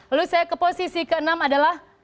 lalu saya ke posisi keenam adalah